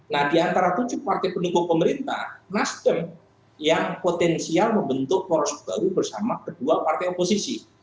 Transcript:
nah di antara tujuh partai pendukung pemerintah nasdem yang potensial membentuk poros baru bersama kedua partai oposisi